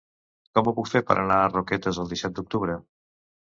Com ho puc fer per anar a Roquetes el disset d'octubre?